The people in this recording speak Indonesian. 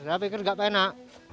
saya pikir enggak enak